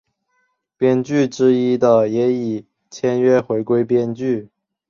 编剧之一的也已签约回归编剧。